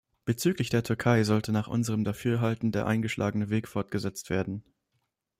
Bezüglich der Türkei sollte nach unserem Dafürhalten der eingeschlagene Weg fortgesetzt werden.